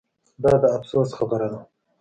دا د افسوس خبره ده